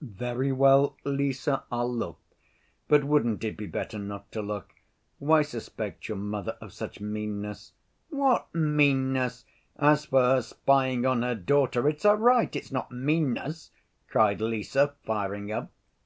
"Very well, Lise, I'll look; but wouldn't it be better not to look? Why suspect your mother of such meanness?" "What meanness? As for her spying on her daughter, it's her right, it's not meanness!" cried Lise, firing up.